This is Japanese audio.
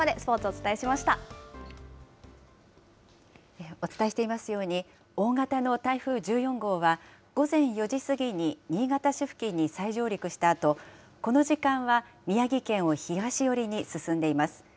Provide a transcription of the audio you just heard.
お伝えしていますように、大型の台風１４号は、午前４時過ぎに新潟市付近に再上陸したあと、この時間は宮城県を東寄りに進んでいます。